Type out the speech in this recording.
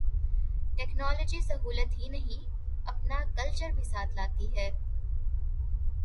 Technology سہولت ہی نہیں، اپنا کلچر بھی ساتھ لاتی ہے۔